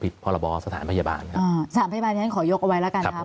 ถึงสถานพยาบาลอยากยกไว้นะครับ